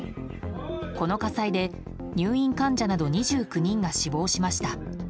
この火災で入院患者など２９人が死亡しました。